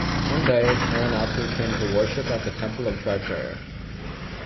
One day Naranathu came to worship at the temple of Triprayar.